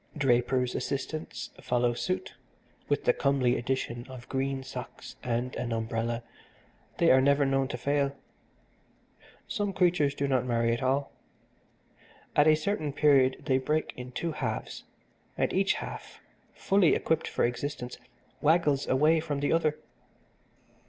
Drapers' assistants follow suit, with the comely addition of green socks and an umbrella they are never known to fail. Some creatures do not marry at all. At a certain period they break in two halves, and each half, fully equipped for existence, waggles away from the other.